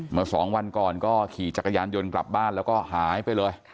เมื่อสองวันก่อนก็ขี่จักรยานยนต์กลับบ้านแล้วก็หายไปเลย